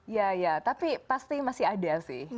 ya ya tapi pasti masih ada sih